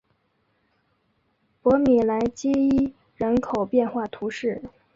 博米莱基伊人口变化图示